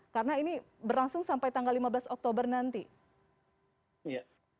karena ini berlangsung sampai tanggal lima belas oktober nanti